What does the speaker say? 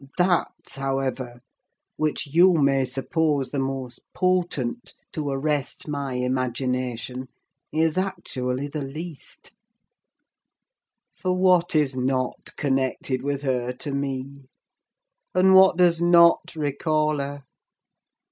That, however, which you may suppose the most potent to arrest my imagination, is actually the least: for what is not connected with her to me? and what does not recall her?